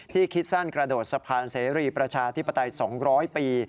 คิดสั้นกระโดดสะพานเสรีประชาธิปไตย๒๐๐ปี